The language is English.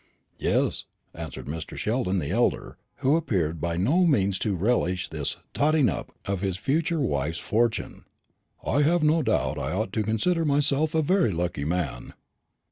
"Yes," answered Mr. Sheldon the elder, who appeared by no means to relish this "totting up" of his future wife's fortune; "I have no doubt I ought to consider myself a very lucky man."